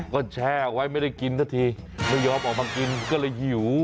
ก็แช่เอาไว้ไม่ได้กินสักทีไม่ยอมออกมากินก็เลยหิว